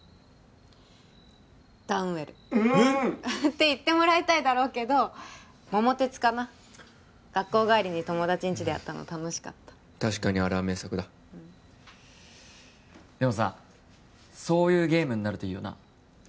ダウンウェルえっ！？って言ってもらいたいだろうけど桃鉄かな学校帰りに友達んちでやったの楽しかった確かにあれは名作だでもさそういうゲームになるといいよな